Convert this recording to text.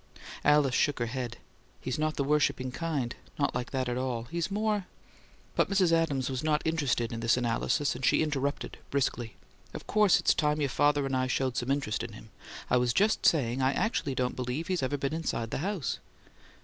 Alice shook her head. "He's not the worshiping kind. Not like that at all. He's more " But Mrs. Adams was not interested in this analysis, and she interrupted briskly, "Of course it's time your father and I showed some interest in him. I was just saying I actually don't believe he's ever been inside the house."